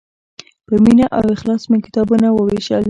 په مینه او اخلاص مې کتابونه ووېشل.